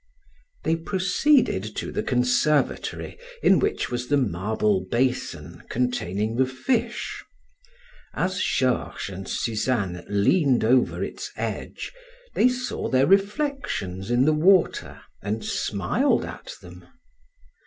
They proceeded to the conservatory in which was the marble basin containing the fish. As Georges and Suzanne leaned over its edge, they saw their reflections in the water and smiled at them.